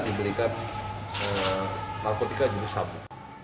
diberikan narkotika jenis sabu